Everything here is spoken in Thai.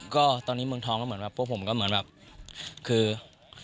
ก็ตอนนี้เมืองทองก็เหมือนแบบพวกผมก็เหมือนแบบคือ